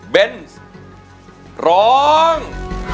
เป็นร้อง